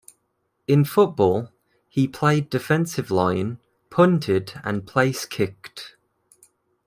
In football, he played defensive line, punted and place kicked.